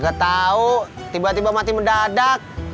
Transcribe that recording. gak tahu tiba tiba mati mendadak